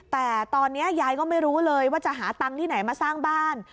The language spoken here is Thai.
แต่ตอนนี้ยายก็ไม่รู้เลยว่าจะหาตังค์ที่ไหนมาสร้างบ้าน